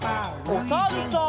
おさるさん。